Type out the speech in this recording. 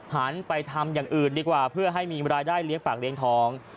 หันไปทำอย่างอื่นดีกว่าเพื่อให้มีรายได้เลี้ยงปากเลี้ยงท้อง